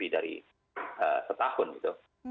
dari setahun gitu